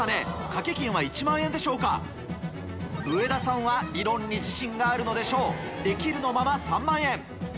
賭け金は１万円でしょうか上田さんは理論に自信があるのでしょう「できる」のまま３万円